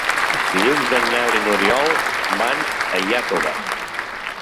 Dilluns en Nel i n'Oriol van a Iàtova.